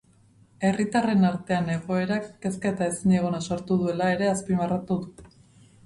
Herritarren artean egoerak kezka eta ezinegona sortu duela ere azpimarratu du.